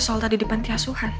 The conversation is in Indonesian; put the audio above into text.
soal tadi di pantai asuhan